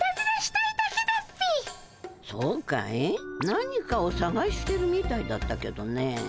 何かをさがしてるみたいだったけどね。